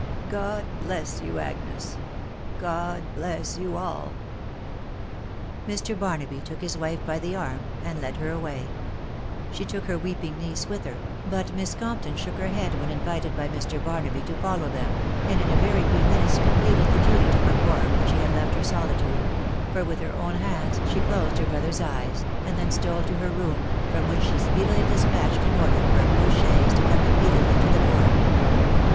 •• God bless you, Agnes !.... God bless you all !" Mr. Barnaby took his wife by the arm and led her away ; she took her weeping niece with her, but Miss Compton shook fier bead when invited by Mr. Barnaby to follow them, and in ' very few minutes completed the duty to perform ^Wfck. && THE WIDOW BARNABY. 01 had left her solitude, for with her own hands she closed her brother's eyes, and then stole to her room, from which the speedily despatched an order for a postchaise to come imme diately to the door.